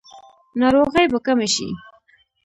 ناروغۍ به کمې شي؟